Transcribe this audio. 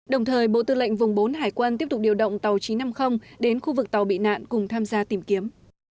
đồng thời bộ tư lệnh vùng bốn hải quân tiếp tục điều động tàu chín trăm năm mươi đến khu vực tàu bị nạn cùng tham gia tìm kiếm